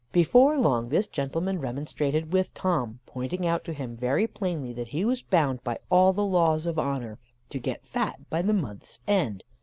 "Before long, this gentleman remonstrated with Tom, pointing out to him very plainly, that he was bound by all the laws of honour to get fat by the month's end.